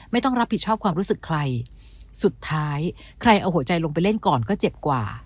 ไม่ต้องรับผิดชอบความรู้สึกใครสุดท้ายใครเอาหัวใจลงไปเล่นก่อนก็เจ็บกว่า